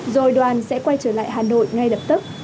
rồi đoàn sẽ quay trở lại hà nội ngay lập tức